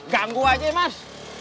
ganggu aja ya mas